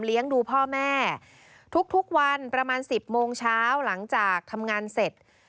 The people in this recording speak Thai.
ดูพ่อแม่ทุกวันประมาณ๑๐โมงเช้าหลังจากทำงานเสร็จ